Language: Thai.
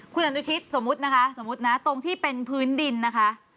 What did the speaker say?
คุณอนุชิตสมมุตินะคะสมมุตินะตรงที่เป็นพื้นดินนะคะ